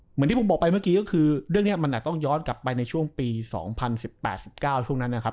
เหมือนที่ผมบอกไปเมื่อกี้ก็คือเรื่องนี้มันอาจต้องย้อนกลับไปในช่วงปี๒๐๑๘๑๙ช่วงนั้นนะครับ